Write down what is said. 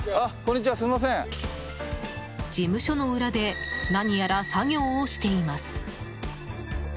事務所の裏で何やら作業をしています。